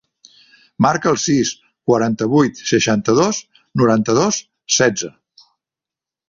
Marca el sis, quaranta-vuit, seixanta-dos, noranta-dos, setze.